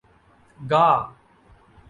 گا